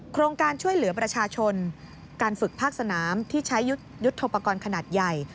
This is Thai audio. โครงการช่วยเหลือประชาชนการฝึกภาคสนามที่ใช้ยุทธโปรกรณ์ขนาดใหญ่